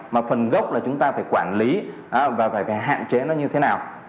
mà phần gốc là chúng ta phải quản lý và phải hạn chế nó như thế nào